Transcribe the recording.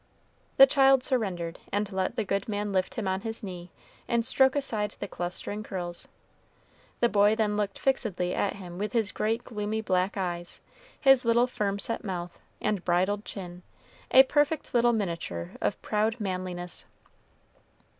The child surrendered, and let the good man lift him on his knee and stroke aside the clustering curls; the boy then looked fixedly at him with his great gloomy black eyes, his little firm set mouth and bridled chin, a perfect little miniature of proud manliness.